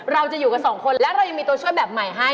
เราจะอยู่กันสองคนและเรายังมีตัวช่วยแบบใหม่ให้